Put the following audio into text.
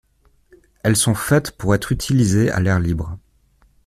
Elles sont faites pour être utilisées à l'air libre.